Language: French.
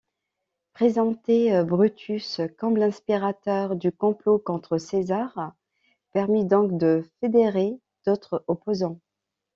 Présenter Brutus comme l’inspirateur du complot contre César permit donc de fédérer d’autres opposants.